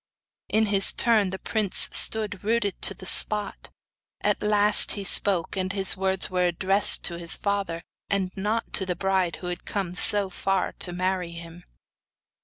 In his turn, the prince stood rooted to the spot. At last he spoke, and his words were addressed to his father, and not to the bride who had come so far to marry him.